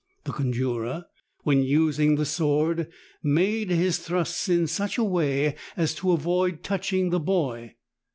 The conjurer, when using the sword, makes his thrusts in such a way as to avoid touching the boy.